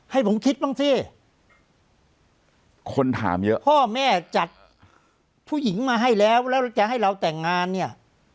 ให้ผมคิดบ้างสิคนถามเยอะพ่อแม่จัดผู้หญิงมาให้แล้วแล้วจะให้เราแต่งงานเนี่ย